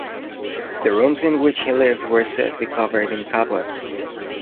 The rooms in which he lived were said to be covered in cobwebs.